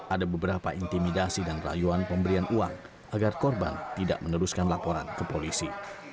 ada beberapa intimidasi dan rayuan pemberian uang agar korban tidak meneruskan laporan ke polisi